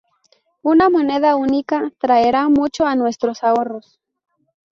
Una moneda única "traerá mucho a nuestros ahorros.